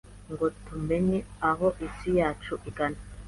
ngo tumenye aho isi yacu igana ,